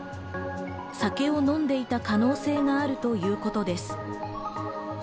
酒を飲んでいた可能性があるということです。